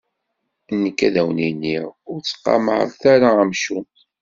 Nekk, ad wen-iniɣ: Ur ttqamaret ara amcum.